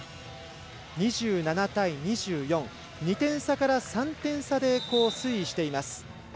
２７対２４２点差から３点差で推移しています。